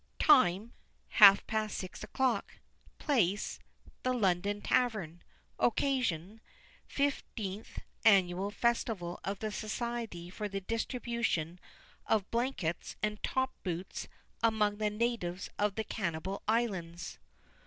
TIME: half past six o'clock. Place: The London Tavern. Occasion: Fifteenth Annual Festival of the Society for the Distribution of Blankets and Top Boots among the Natives of the Cannibal Islands.